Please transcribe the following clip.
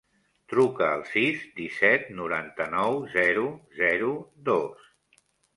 Truca al sis, disset, noranta-nou, zero, zero, dos.